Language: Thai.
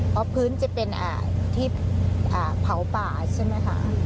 เพราะพื้นจะเป็นที่เผาป่าใช่ไหมคะ